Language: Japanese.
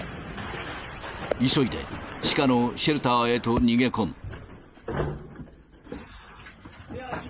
急いで地下のシェルターへと逃げ込む。